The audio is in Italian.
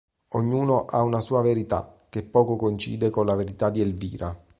Ognuno ha una sua verità che poco coincide con la verità di Elvira.